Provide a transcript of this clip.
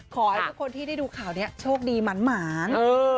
ขอให้ทุกคนที่ได้ดูข่าวนี้โชคดีหมาน